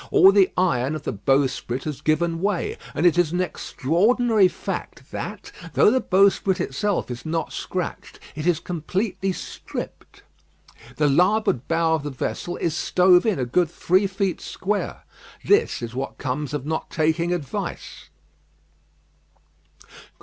All the iron of the bowsprit has given way; and it is an extraordinary fact that, though the bowsprit itself is not scratched, it is completely stripped. The larboard bow of the vessel is stove in a good three feet square. This is what comes of not taking advice."